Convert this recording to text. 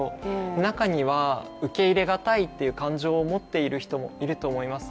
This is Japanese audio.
中には受け入れがたいという感情を持っている人もいると思います。